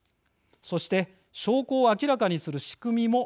そして証拠を明らかにする仕組みもありません。